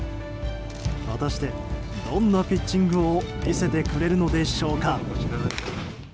果たして、どんなピッチングを見せてくれるのでしょうか。